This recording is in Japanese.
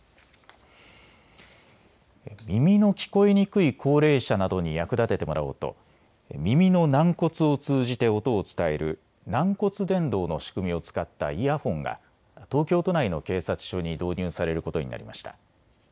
耳の聞こえにくい高齢者などに役立ててもらおうと耳の軟骨を通じて音を伝える軟骨伝導の仕組みを使ったイヤホンが東京都内の警察署に導入されることになりました。